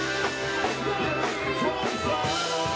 นะคะน้อนุกรัม